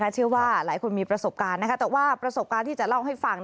เชื่อว่าหลายคนมีประสบการณ์แต่ว่าประสบการณ์ที่จะเล่าให้ฟัง